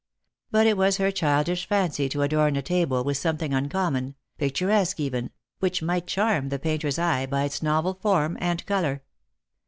But it was her childish fancy to adorn the table with something uncommon — picturesque, even — which might charm the painter's eye by its novel form and colour.